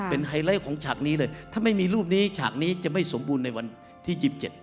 เป็นไฮไลท์ของฉากนี้เลยถ้าไม่มีรูปนี้ฉากนี้จะไม่สมบูรณ์ในวันที่๒๗